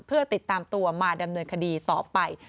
เพื่อติดตามตัวมาดำเนินคดีต่อไป